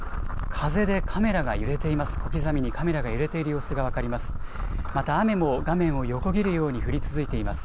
風でカメラが揺れています、小刻みにカメラが揺れている様子が分かります。